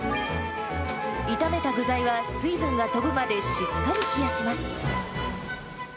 炒めた具材は、水分が飛ぶまでしっかり冷やします。